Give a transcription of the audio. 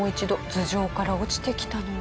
頭上から落ちてきたのは。